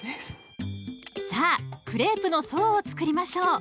さあクレープの層を作りましょう。